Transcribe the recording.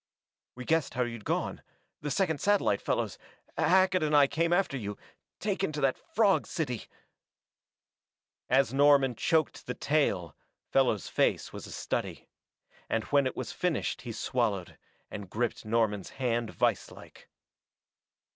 "We guessed how you'd gone the second satellite, Fellows Hackett and I came after you taken to that frog city " As Norman choked the tale, Fellows' face was a study. And when it was finished he swallowed, and gripped Norman's hand viselike.